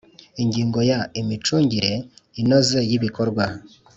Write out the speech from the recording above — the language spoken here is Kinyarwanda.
Ingingo ya imicungire inoze y ibikorarwa